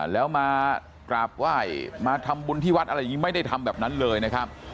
แล้วมากราบไหว้มาทำบุญที่วัดไม่ได้ทำแบบนั้นเลยนะครับ